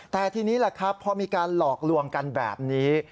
แต่ทีนี้แหละครับพอมีการหลอกลวงกันแบบนี้